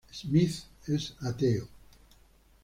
Smith es ateo.